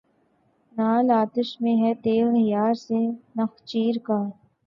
نعل آتش میں ہے تیغ یار سے نخچیر کا